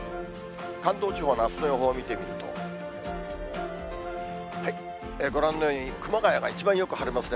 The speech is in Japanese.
関東地方のあすの予報見てみると、ご覧のように、熊谷が一番よく晴れますね。